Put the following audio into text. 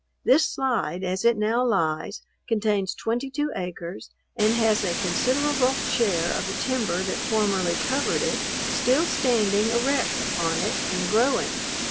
This slide, as it now lies, contains 22 acres, and has a considerable share of the timber that formerly covered it, still standing erect upon it, and growing.